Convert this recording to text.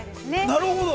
◆なるほど。